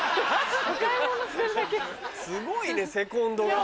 すごいねセコンドが。